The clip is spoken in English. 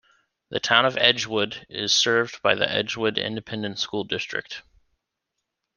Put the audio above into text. The Town of Edgewood is served by the Edgewood Independent School District.